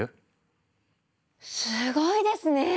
すごいですね！